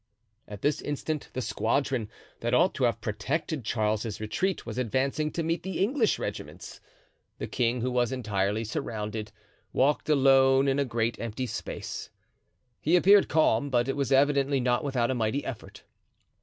At this instant the squadron, that ought to have protected Charles's retreat, was advancing to meet the English regiments. The king, who was entirely surrounded, walked alone in a great empty space. He appeared calm, but it was evidently not without a mighty effort.